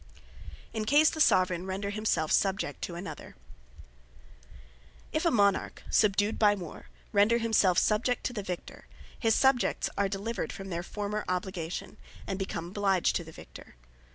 In Case The Soveraign Render Himself Subject To Another If a Monarch subdued by war, render himself Subject to the Victor; his Subjects are delivered from their former obligation, and become obliged to the Victor.